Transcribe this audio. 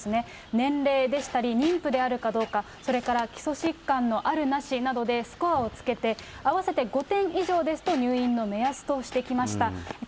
年齢でしたり、妊婦であるかどうか、それから基礎疾患のあるなしなどでスコアをつけて、合わせて５点以上ですと、入院の目安としてきました。